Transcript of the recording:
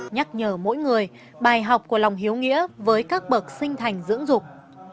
nhắc nhở mỗi người bài học của lòng hiếu nghĩa với các bậc sinh thành dưỡng dục